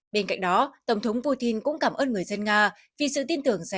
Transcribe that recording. bên cạnh đó tổng thống putin cũng cảm ơn người dân nga vì sự tin tưởng rằng